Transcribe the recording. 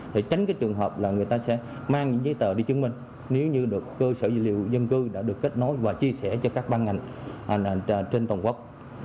để tránh cái trường hợp là người ta sẽ mang những giấy tờ đi chứng minh nếu như được cơ sở dữ liệu dân cư đã được kết nối và chia sẻ cho các ban ngành trên toàn quốc